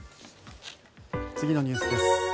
次のニュースです。